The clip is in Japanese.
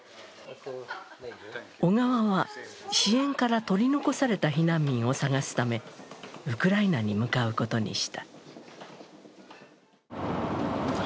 小川は支援から取り残された避難民を探すため、ウクライナに向かうことにした。